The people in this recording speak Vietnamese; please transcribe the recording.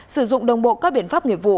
sử dụng đồng bộ các biện pháp nghiệp vụ